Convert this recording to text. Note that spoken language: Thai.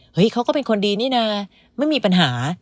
เขาก็เป็นคนดีนี่นะไม่มีปัญหา